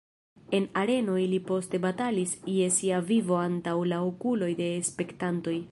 En areno ili poste batalis je sia vivo antaŭ la okuloj de spektantoj.